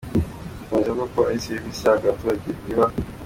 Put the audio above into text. Akomeza avuga ko ari servisi ihabwa abaturage iba .